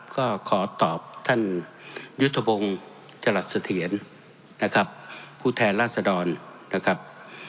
ก็ขอตอบท่านยุทธพงศ์จรัสเสถียรนะครับผู้แทนราษดรนะครับ